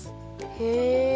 へえ。